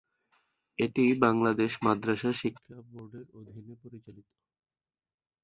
এটি বাংলাদেশ মাদ্রাসা শিক্ষা বোর্ডের অধীনে পরিচালিত।